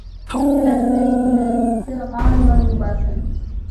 کله کله یې په نه څه غاړه ور وباسم.